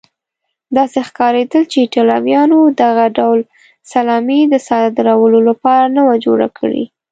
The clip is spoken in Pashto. داسې ښکارېدل چې ایټالویانو دغه ډول سلامي د صادرولو لپاره نه وه جوړه کړې.